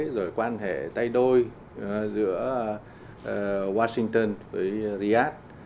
rồi quan hệ tay đôi giữa washington với riyadh